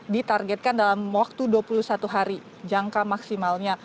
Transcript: ditargetkan dalam waktu dua puluh satu hari jangka maksimalnya